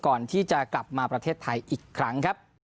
ก่อนที่จะกลับมาประเทศไทยอีกครั้งครับ